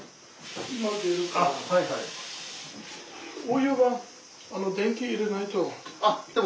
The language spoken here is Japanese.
お湯は電気入れないと。